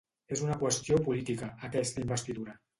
És una qüestió política, aquesta investidura.